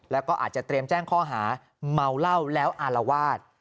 แล้วก็อาจจะเตรียมแจ้งข้อหาเมาเหล้าแล้วอารวาส